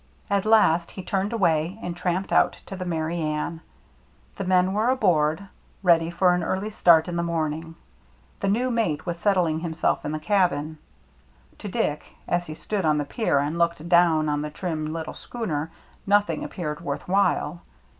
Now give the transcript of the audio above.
At last he turned away, and tramped out to the Merry Anne. The men were aboard, ready for an early start in the morning ; the new mate was settling himself in the cabin. To Dick, as he stood on the pier and looked down on the trim little schooner, nothing appeared worth while.